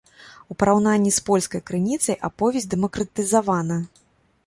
У параўнанні з польскай крыніцай аповесць дэмакратызавана.